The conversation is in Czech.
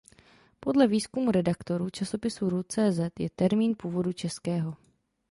Podle výzkumu redaktorů časopisu Root.cz je termín původu českého.